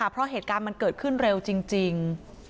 เพราะเหตุการณ์มันเกิดขึ้นเร็วจริง